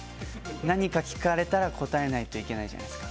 何か聞かれたら答えないといけないじゃないですか。